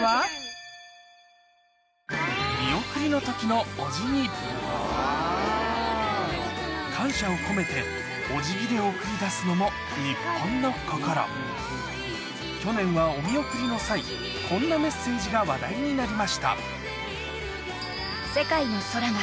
見送りの時の感謝を込めてお辞儀で送り出すのも去年はお見送りの際こんなメッセージが話題になりました